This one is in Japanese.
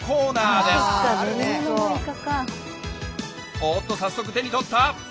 おっと早速手に取った！